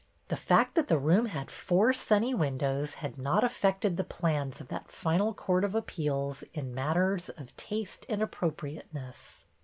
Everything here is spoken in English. The fact that the room had four sunny windows had not affected the of that final court of appeals in matters of taste and appropriateness.